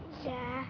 bunda akan jaga aku